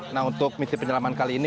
nah untuk misi penyelaman kali ini